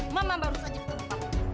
mama baru saja tau